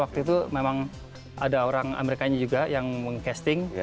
waktu itu memang ada orang amerikanya juga yang meng casting